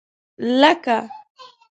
لکه